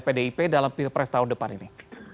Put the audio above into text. pdip dalam pilpres tahun depan ini